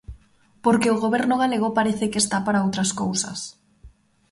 Porque o Goberno galego parece que está para outras cousas.